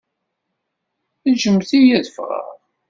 Ǧǧemt-iyi ad ffɣeɣ!